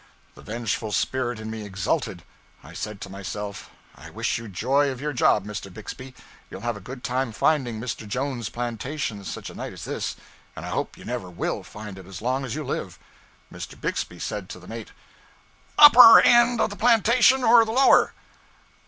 The vengeful spirit in me exulted. I said to myself, I wish you joy of your job, Mr. Bixby; you'll have a good time finding Mr. Jones's plantation such a night as this; and I hope you never _will _find it as long as you live. Mr. Bixby said to the mate: 'Upper end of the plantation, or the lower?'